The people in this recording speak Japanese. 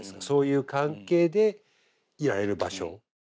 そういう関係でいられる場所。